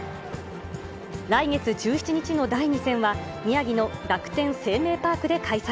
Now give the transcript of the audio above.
来月１７日の第２戦は、宮城の楽天生命パークで開催。